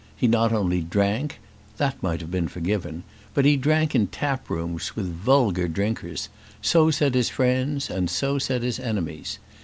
He not only drank that might have been forgiven but he drank in tap rooms with vulgar drinkers; so said his friends, and so said his enemies.